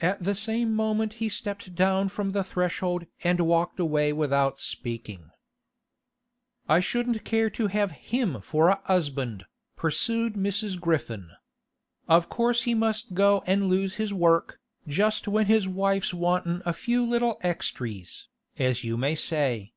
At the same moment he stepped down from the threshold and walked away without speaking. 'I shouldn't care to have him for a 'usband,' pursued Mrs. Griffin. 'Of course he must go an' lose his work, just when his wife's wantin' a few little extries, as you may say.